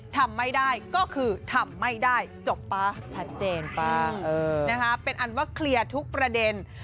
ทำไม่ได้ก็คือทำไม่ได้จบป่ะชัดเจนป่ะเป็นอันว่าเคลียร์ทุกประเด็น